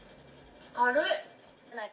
軽い。